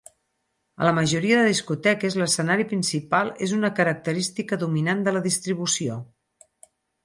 A la majoria de discoteques, l'escenari principal és una característica dominant de la distribució.